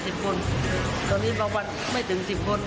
ตอนนี้บางวันไม่ถึงสิบคน